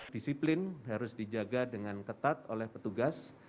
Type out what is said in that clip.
disiplin harus dijaga dengan ketat oleh petugas